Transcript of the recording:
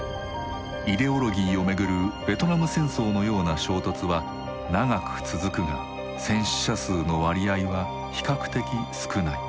イデオロギーをめぐるベトナム戦争のような衝突は長く続くが戦死者数の割合は比較的少ない。